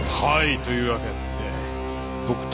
というわけで。